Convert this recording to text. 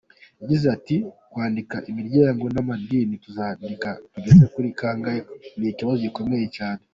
Yagize ati “Kwandika imiryango n’amadini, tuzandika kugeza kuri kangahe? Ni ikibazo gikomeye cyane.